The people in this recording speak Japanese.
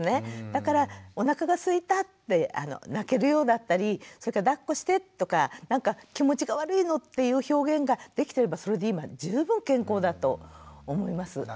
だからおなかがすいたって泣けるようだったりそれからだっこしてとかなんか気持ちが悪いのっていう表現ができてればそれで今十分健康だと思います。